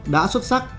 đã xuất sắc